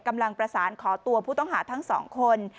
กำลังประสานขอตัวผู้ต้องหาทั้งสองคน